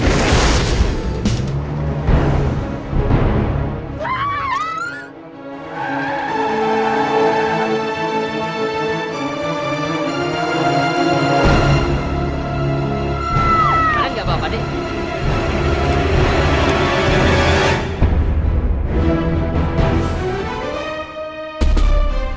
kalian gak apa apa deh